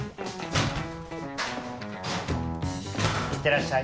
いってらっしゃい。